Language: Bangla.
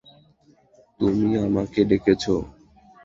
তুমি আমাকে ডেকেছ?